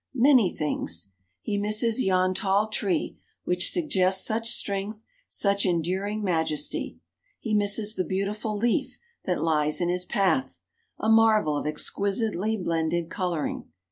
Many things. He misses yon tall tree, which suggests such strength, such enduring majesty. He misses the beautiful leaf that lies in his path, a marvel of exquisitely blended coloring.